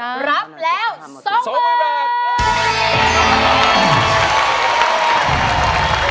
รับแล้วสองหมื่นบาท